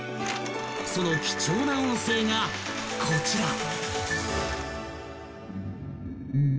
［その貴重な音声がこちら］